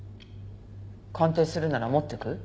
鑑定するなら持ってく？